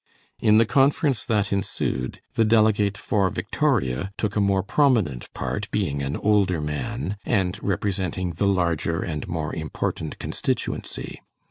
In the conference that ensued, the delegate for Victoria took a more prominent part, being an older man, and representing the larger and more important constituency.